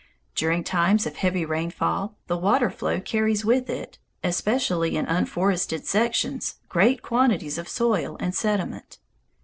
During times of heavy rainfall, the water flow carries with it, especially in unforested sections, great quantities of soil and sediment.